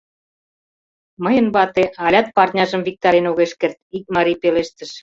— Мыйын вате алят парняжым виктарен огеш керт, — ик марий пелештыш.